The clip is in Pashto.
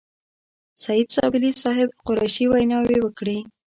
سعید زابلي صاحب، قریشي ویناوې وکړې.